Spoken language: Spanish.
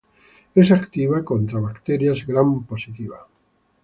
Es activa contra bacterias gram-positiva.